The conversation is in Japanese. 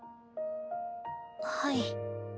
はい。